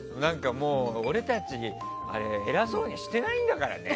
俺たち偉そうにしてないんだからね。